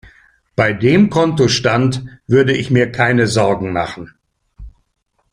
Bei dem Kontostand würde ich mir keine Sorgen machen.